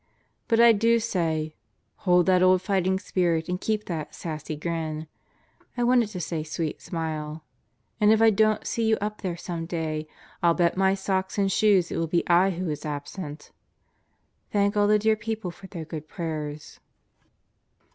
But I do say: Hold that old fighting spirit and keep that "sassy grin" (I wanted to say "sweet smile") and if I don't see you up there some day, I'll bet my socks and shoes it will be I who is absent! Thank all the dear people for their good prayers.